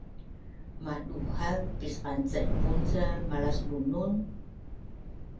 Maduhaz pisqancaipun ca malasBunun?